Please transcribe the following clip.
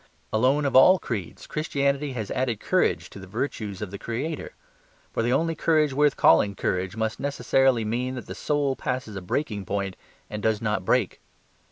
Alone of all creeds, Christianity has added courage to the virtues of the Creator. For the only courage worth calling courage must necessarily mean that the soul passes a breaking point and does not break.